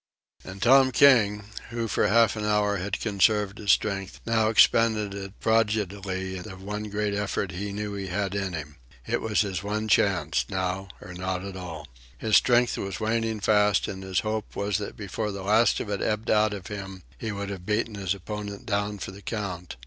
And Tom King, who for half an hour had conserved his strength, now expended it prodigally in the one great effort he knew he had in him. It was his one chance now or not at all. His strength was waning fast, and his hope was that before the last of it ebbed out of him he would have beaten his opponent down for the count.